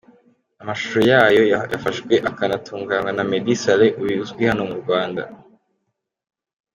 amashusho yayo yafashwe akanatunganywa na Meddy Saleh uyu uzwi hano mu Rwanda.